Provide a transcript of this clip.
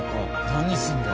何するんだ？